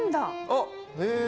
あっへえ。